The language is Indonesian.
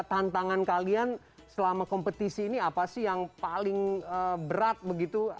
tantangan kalian selama kompetisi ini apa sih yang paling berat begitu